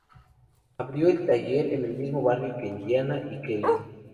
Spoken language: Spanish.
Abrió el taller en el mismo barrio que Indiana y Kelly.